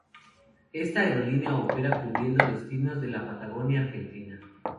Esta aerolínea opera cubriendo destinos de la Patagonia argentina.